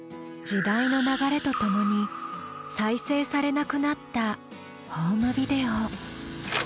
時代の流れとともに再生されなくなったホームビデオ。